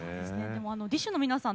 ＤＩＳＨ／／の皆さん